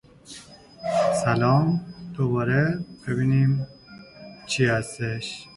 There were also painted wall panels depicting Europeans.